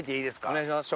お願いします。